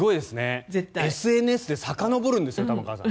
ＳＮＳでさかのぼるんですよ、玉川さん。